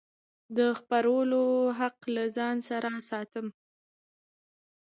د خپرولو حق له ځان سره ساتم.